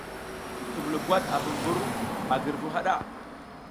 Tumbulo gwat a vu mbur a girvu haɗa.